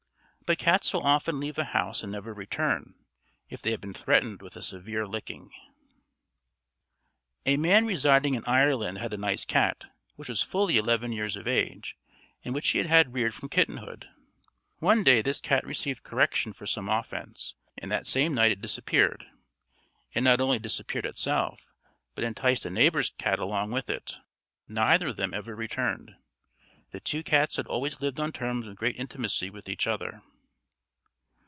But cats will often leave a house and never return, if they have been threatened with a severe licking. A man residing in Ireland had a nice cat, which was fully eleven years of age, and which he had reared from kittenhood. One day this cat received correction for some offence, and that same night it disappeared. It not only disappeared itself, but enticed a neighbour's cat along with it. Neither of them ever returned. The two cats had always lived on terms of great intimacy with each other.